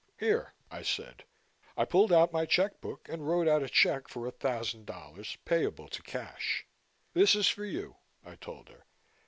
"Here!" I said. I pulled out my check book and wrote out a check for a thousand dollars payable to cash. "This is for you," I told her.